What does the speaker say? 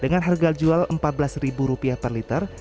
dengan harga jual rp empat belas per liter